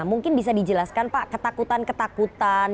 mungkin bisa dijelaskan pak ketakutan ketakutan